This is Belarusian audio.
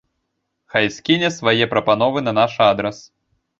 Хай скіне свае прапановы на наш адрас.